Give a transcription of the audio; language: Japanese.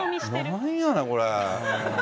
なんやねん、これ。